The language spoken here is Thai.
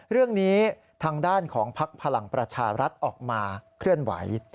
เรื่องนี้ทางด้านของพักพลังประชารัฐออกมาเคลื่อนไหว